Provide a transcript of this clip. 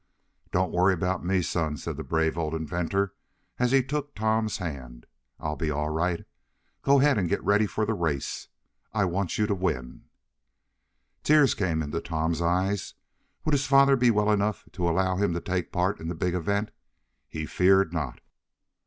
"Don't worry about me, son," said the brave old inventor, as he took Tom's hand. "I'll be all right. Go ahead and get ready for the race. I want you to win!" Tears came into Tom's eyes. Would his father be well enough to allow him to take part in the big event? He feared not.